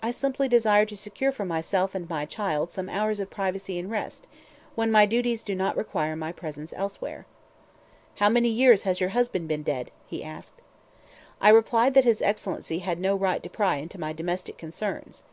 I simply desire to secure for myself and my child some hours of privacy and rest, when my duties do not require my presence elsewhere." "How many years your husband has been dead?" he asked. I replied that his Excellency had no right to pry into my domestic concerns.